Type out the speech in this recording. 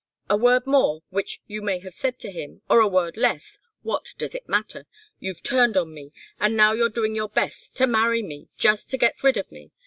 A word more which you may have said to him, or a word less what does it matter? You've turned on me, and now you're doing your best to marry me, just to get rid of me.